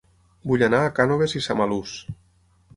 Vull anar a Cànoves i Samalús